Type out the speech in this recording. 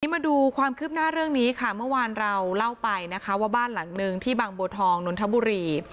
มาดูความคืบหน้าเรื่องนี้ค่ะเมื่อวานเราเล่าไปนะคะว่าบ้านหลังนึงที่บางบัวทองนนทบุรี